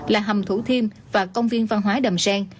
là hầm thủ thiêm và công viên văn hóa đầm sen